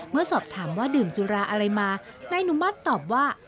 เมื่อสอบถามว่าดื่มสุราอะไรมานายอนุมัติตอบว่า